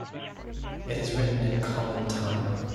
It is written in common time.